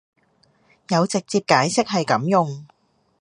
有直接解釋係噉用